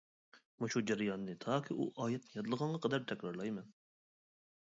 مۇشۇ جەرياننى تاكى ئۇ ئايەتنى يادلىغانغا قەدەر تەكرارلايمەن.